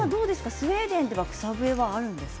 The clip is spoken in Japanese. スウェーデンには草笛はありますか？